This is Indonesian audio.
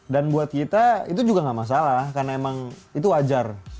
dan buat kita itu juga gak masalah karena emang itu wajar